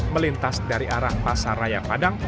melintas dari arah pasar raya padang